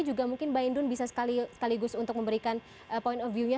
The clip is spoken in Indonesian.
juga mungkin mbak indun bisa sekaligus untuk memberikan point of view nya